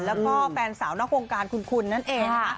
แล้วก็แฟนสาวนอกวงการคุณนั่นเองนะคะ